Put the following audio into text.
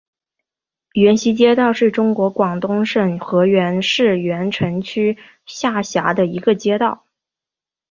源西街道是中国广东省河源市源城区下辖的一个街道。